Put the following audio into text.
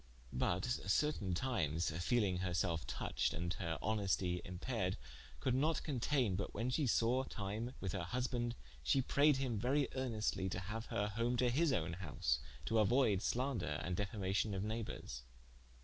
But certaine times feeling her selfe touched, and her honestie appaired, could not conteine but when she sawe time with her husband, she prayed him verie earnestlie to haue her home to his own house, to auoyde slaunder and defamacion of neighbours.